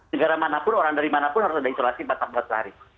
negara manapun orang dari mana pun harus ada isolasi empat belas hari